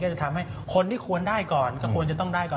จะทำให้คนที่ควรได้ก่อนก็ควรจะต้องได้ก่อน